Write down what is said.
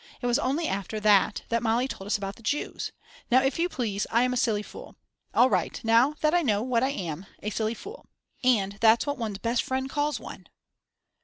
It was only after that that Mali told us about the Jews. Now, if you please, I am a silly fool. All right, now that I know what I am, a silly fool. And that's what one's best friend calls one!